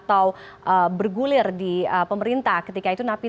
ternyata penerbangan lapas